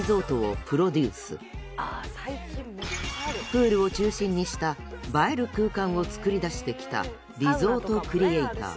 プールを中心にした映える空間を作り出してきたリゾートクリエイター。